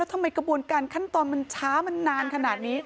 แล้วทำไมกระบวนการคันตอนมันช้านานขนาดนี้